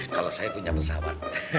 kalau saya punya pesawat